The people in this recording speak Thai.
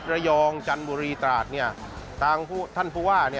ระยองจันบุรีตราศน์ท่านภูว่า